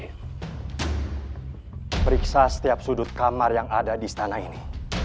kita periksa setiap sudut kamar yang ada di istana ini